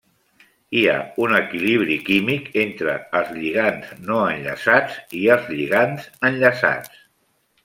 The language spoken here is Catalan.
Hi ha un equilibri químic entre els lligands no enllaçats i els lligands enllaçats.